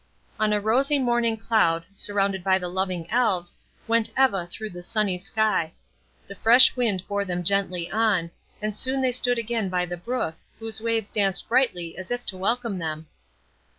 On a rosy morning cloud, surrounded by the loving Elves, went Eva through the sunny sky. The fresh wind bore them gently on, and soon they stood again beside the brook, whose waves danced brightly as if to welcome them.